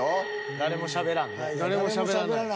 誰もしゃべらんな。